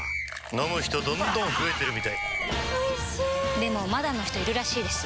飲む人どんどん増えてるみたいおいしでもまだの人いるらしいですよ